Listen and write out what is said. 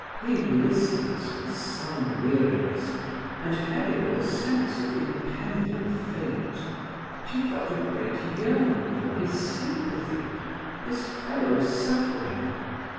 Being listless with sun weariness, and heavy with a sense of impending fate, she felt a great yearning for his sympathy, his fellow suffering.